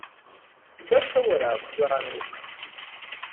Udashobora kuranduka